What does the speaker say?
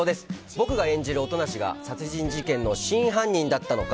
僕が演じる音無が殺人事件の真犯人だったのか？